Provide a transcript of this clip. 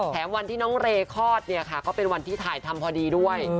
แถมวันที่น้องเรย์คลอดเนี่ยค่ะก็เป็นวันที่ถ่ายทำพอดีด้วย